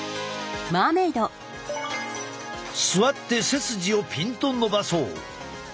座って背筋をピンと伸ばそう。